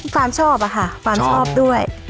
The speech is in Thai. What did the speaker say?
ความชอบอะค่ะความชอบด้วย